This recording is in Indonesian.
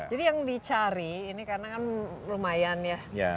jadi yang dicari ini karena kan lumayan ya